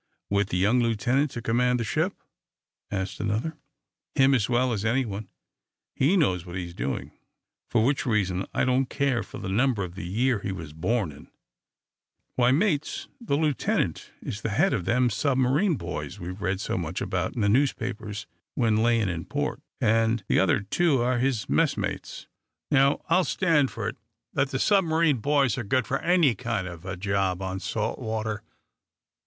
"With the young lieutenant to command the ship?" asked another. "Him as well as anyone. He knows what he's doing, for which reason I don't care for the number of the year he was born in. Why, mates, the lieutenant is the head of them submarine boys we've read so much about in the newspapers when layin' in port. And the other two are his messmates. Now, I'll stand for it that the submarine boys are good for any kind of a job on salt water.